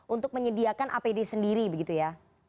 untuk menyediakan apd sendiri begitu ya